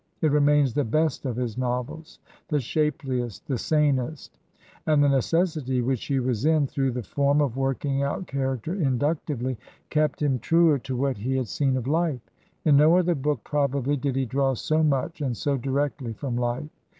It remains the best of his novels, the shapdi€st, the sanest ; and the necessity which he was in, through the form, of working out character in ductively, kept him truer to what he had seen of life. In no other book, probably, did he draw so much and so directly from life.